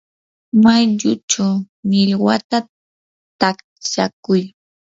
mayuchaw millwata takshakuy.